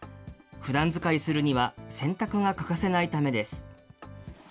ふだん使いするには洗濯が欠かせないためです。